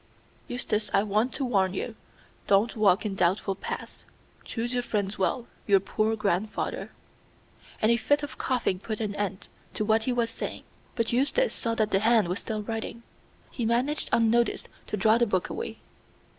Eustace, I want to warn you. Don't walk in doubtful paths. Choose your friends well. Your poor grandfather " A fit of coughing put an end to what he was saying, but Eustace saw that the hand was still writing. He managed unnoticed to draw the book away.